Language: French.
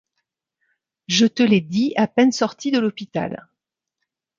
Je te l'ai dit à peine sorti de l'hôpital.